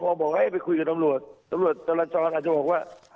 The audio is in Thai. พอบอกให้ไปคุยกับตำรวจตำรวจจราจรอาจจะบอกว่า